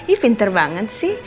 ih pinter banget sih